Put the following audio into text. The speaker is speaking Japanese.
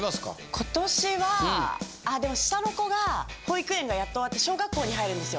今年は下の子が保育園がやっと終わって小学校に入るんですよ。